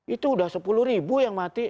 itu sudah sepuluh ribu yang mati